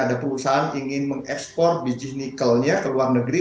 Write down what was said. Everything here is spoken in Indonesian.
ada perusahaan ingin mengekspor biji nikelnya ke luar negeri